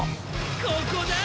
ここだ！